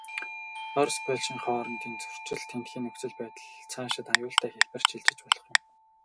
Орос, Польшийн хоорондын зөрчил, тэндхийн нөхцөл байдал, цаашид аюултай хэлбэрт шилжиж болох юм.